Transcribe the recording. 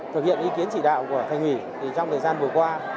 thực hiện ý kiến chỉ đạo của thành ủy thì trong thời gian vừa qua